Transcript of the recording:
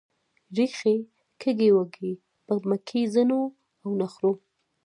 ریښې کږې وږې په مکیزونو او نخرو